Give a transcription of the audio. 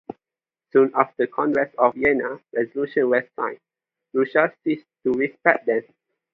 Soon after the Congress of Vienna resolutions were signed, Russia ceased to respect them.